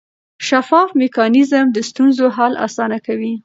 شفاف میکانیزم د ستونزو حل اسانه کوي.